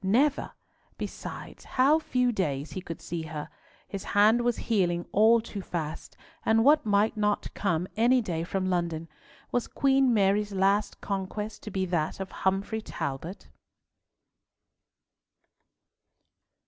Never. Besides, how few days he could see her. His hand was healing all too fast, and what might not come any day from London? Was Queen Mary's last conquest to be that of Humfrey Talbot?